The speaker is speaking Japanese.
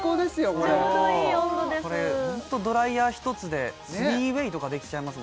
これホントドライヤーひとつで３ウェイとかできちゃいます